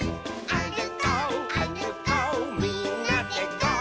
「あるこうあるこうみんなでゴー！」